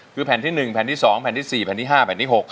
คือแผ่นที่๑แผ่นที่๒แผ่นที่๔แผ่นที่๕แผ่นที่๖